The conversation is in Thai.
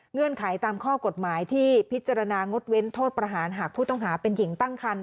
ไขตามข้อกฎหมายที่พิจารณางดเว้นโทษประหารหากผู้ต้องหาเป็นหญิงตั้งคัน